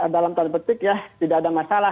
dalam tanda petik ya tidak ada masalah